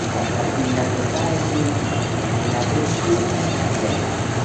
Il n’avait pas été vu, il n’avait pu l’être.